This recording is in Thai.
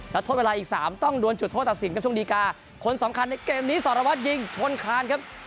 แล้วโทษเวลาอีกสามต้องดวนจุดโทษตัดสินกับช่วงดีการ์คนสำคัญในเกมนี้สารวัตรยิงชนคานครับ